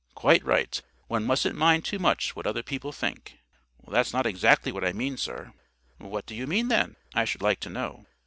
"Quite right. One mustn't mind too much what other people think." "That's not exactly what I mean, sir." "What do you mean then? I should like to know."